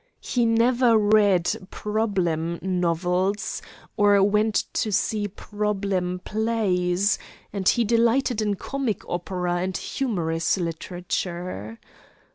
He never read problem novels, or went to see problem plays, and he delighted in comic opera and humorous literature.